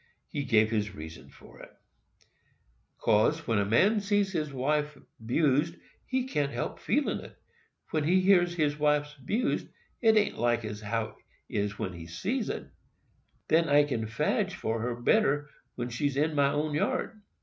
He gave this reason for it: "'Cause, when a man sees his wife 'bused, he can't help feelin' it. When he hears his wife's 'bused, 't an't like as how it is when he sees it. Then I can fadge for her better than when she's in my own yard."